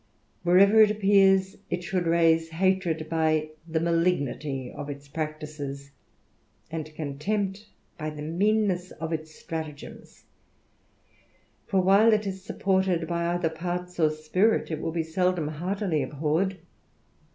Wherever it appears, it should raise hatred by the malignity of its piacticesj and contempt by the meanness of its stratagems: for while it is supported by either parts or spirit, it will be seldom heartily abhorred.